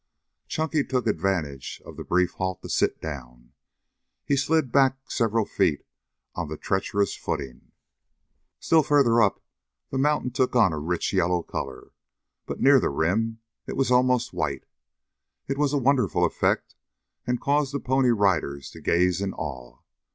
Chunky took advantage of the brief halt to sit down. He slid back several feet on the treacherous footing. Still further up the mountain took on a rich yellow color, but near the rim it was almost white. It was a wonderful effect and caused the Pony Riders to gaze in awe.